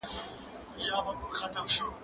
زه به سبا نان خورم؟